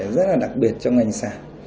rất là đặc biệt trong ngành sản